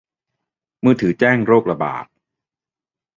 มือถือแจ้งโรคระบาด